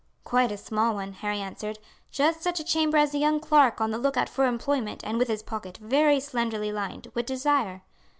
"Quite a small one," Harry answered, "just such a chamber as a young clerk on the look out for employment and with his pocket very slenderly lined, would desire."